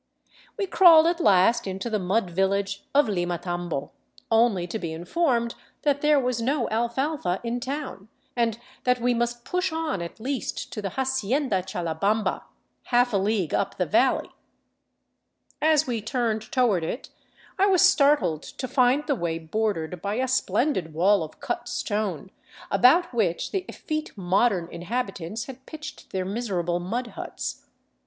We crawled at last into the mud village of Limatambo, only to be informed that there was no alfalfa in town, and that we must push on at least to the '' Hacienda Challabamba," half a league up the valley 416 THE CITY OF THE SUN As we turned toward it, I was startled to find the way bordered by a splendid wall of cut stone, about which the effete modern inhabitants had pitched their miserable mud huts.